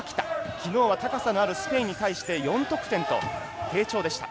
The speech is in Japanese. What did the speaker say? きのうは高さのあるスペインに対して４得点と低調でした。